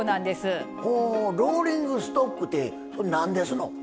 ほローリングストックってそれ何ですの？